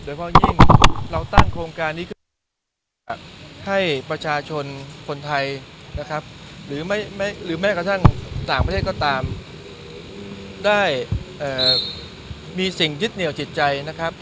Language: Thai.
เพราะยิ่งเราตั้งโครงการนี้คือให้ประชาชนคนไทยนะครับหรือแม้กระทั่งต่างประเทศก็ตามได้มีสิ่งยึดเหนียวจิตใจนะครับ